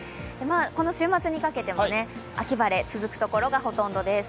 この週末にかけても秋晴れ続く所がほとんどです。